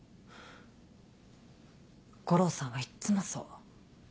悟郎さんはいっつもそう。